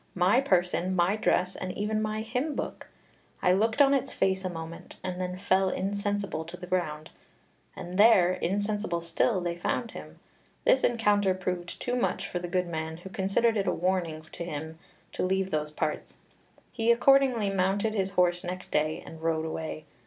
my person, my dress, and even my hymn book. I looked in its face a moment, and then fell insensible to the ground.' And there, insensible still, they found him. This encounter proved too much for the good man, who considered it a warning to him to leave those parts. He accordingly mounted his horse next day and rode away.